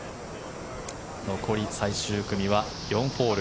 残り最終組は４ホール。